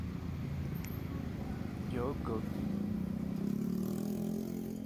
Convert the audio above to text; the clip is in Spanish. Yo Gotti.